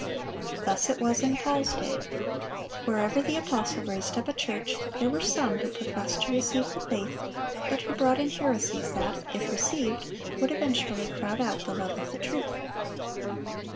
Thus it was in Paul's day. Wherever the apostle raised up a church, there were some who professed to receive the faith, but who brought in heresies, that, if received, would eventually crowd out the love of the truth.